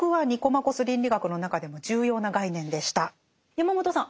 山本さん